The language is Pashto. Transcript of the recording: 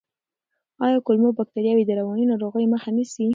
آیا کولمو بکتریاوې د رواني ناروغیو مخه نیسي؟